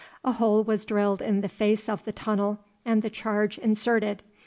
A hole was drilled in the face of the tunnel, and the charge inserted.